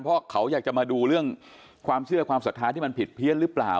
เพราะเขาอยากจะมาดูเรื่องความเชื่อความศรัทธาที่มันผิดเพี้ยนหรือเปล่า